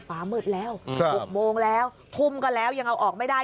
ฟ้าหมดแล้วครับบุกโมงแล้วคุมกันแล้วยังเอาออกไม่ได้